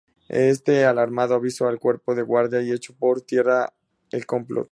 Éste, alarmado, avisó al cuerpo de guardia y echó por tierra el complot.